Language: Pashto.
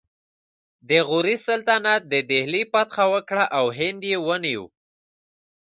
د غوري سلطنت د دهلي فتحه وکړه او هند یې ونیو